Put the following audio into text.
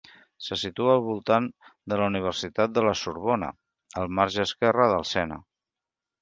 Se situa al voltant de la Universitat de La Sorbona, al marge esquerre del Sena.